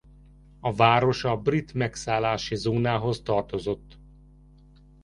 A város a brit megszállási zónához tartozott.